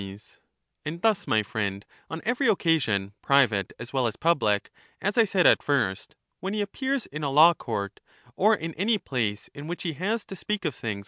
233 Soc, And thus, my friend, on every occasion, private as ThtaeUim, well as public, as I said at first, when he appears in a law sooutks, court, or in any place in which he has to speak of things thtodokus.